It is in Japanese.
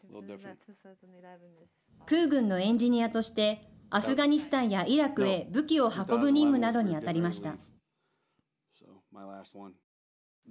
空軍のエンジニアとしてアフガニスタンやイラクへ武器を運ぶ任務などにあたりました。